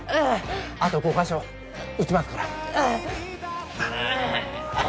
あと５か所打ちますから。